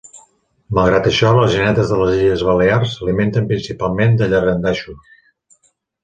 Malgrat això, les genetes de les illes balears, s'alimenten principalment de llangardaixos.